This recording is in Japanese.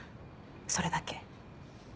それだけ。